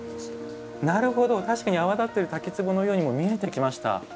確かに泡立ってる滝つぼのようにも見えてきました。